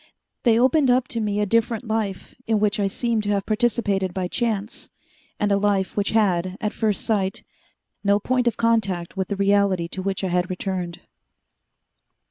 They opened up to me a different life in which I seemed to have participated by chance, and a life which had, at first sight, no point of contact with the reality to which I had returned....